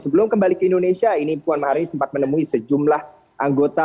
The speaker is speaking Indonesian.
sebelum kembali ke indonesia ini puan maharani sempat menemui sejumlah anggota